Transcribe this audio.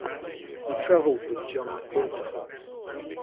He traveled with John McClintock.